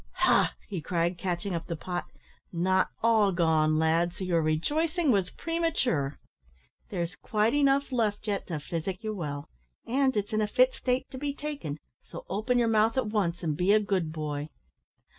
"Ha!" he cried, catching up the pot, "not all gone, lad, so your rejoicing was premature. There's quite enough left yet to physic you well; and it's in fit state to be taken, so open your mouth at once, and be a good boy."